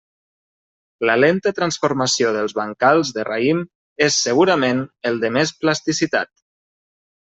La lenta transformació dels bancals de raïm és segurament el de més plasticitat.